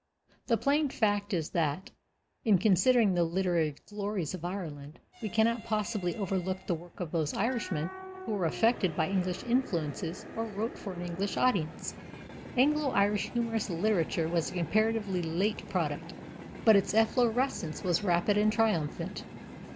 The plain fact is that, in considering the literary glories of Ireland, we cannot possibly overlook the work of those Irishmen who were affected by English influences or wrote for an English audience. Anglo Irish humorous literature was a comparatively late product, but its efflorescence was rapid and triumphant.